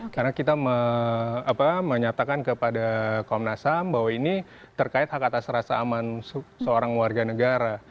karena kita menyatakan kepada komnas ham bahwa ini terkait hak atas rasa aman seorang warga negara